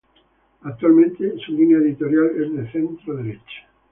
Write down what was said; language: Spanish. Actualmente, su línea editorial es de centro derecha.